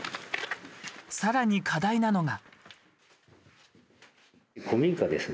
さらに課題なのが。